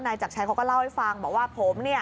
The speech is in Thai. จักรชัยเขาก็เล่าให้ฟังบอกว่าผมเนี่ย